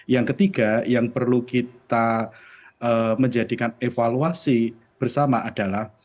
yang ketiga yang perlu kita menjadikan evaluasi bersama adalah